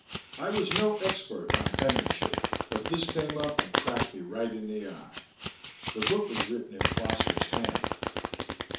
I was no expert on penmanship, but this came up and cracked me right in the eye. The book was written in Foster's hand.